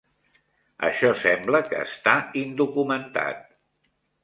Això sembla que està indocumentat.